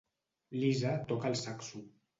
Lisa toca el saxo.